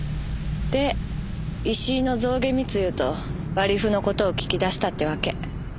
で石井の象牙密輸と割り符の事を聞き出したってわけ。